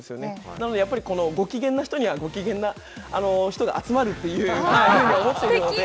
なので、ご機嫌な人にはご機嫌な人が集まるというふうに思っているので。